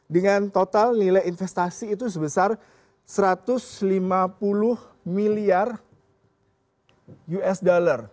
dengan total nilai investasi itu sebesar satu ratus lima puluh miliar usd